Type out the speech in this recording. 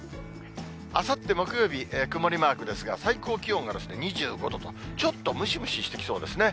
あさって木曜日、曇りマークですが、最高気温が２５度と、ちょっとムシムシしてきそうですね。